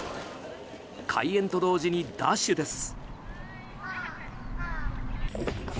開園と同時にダッシュです。